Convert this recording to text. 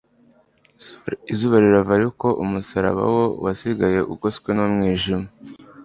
Izuba rirava, ariko umusaraba wo wasigaye ugoswe n'umwijima.